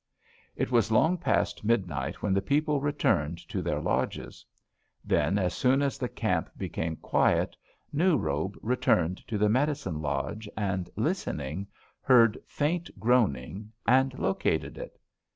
"It was long past midnight when the people returned to their lodges. Then, as soon as the camp became quiet, New Robe returned to the medicine lodge, and, listening, heard faint groaning and located it.